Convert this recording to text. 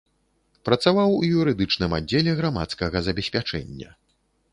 Працаваў у юрыдычным аддзеле грамадскага забеспячэння.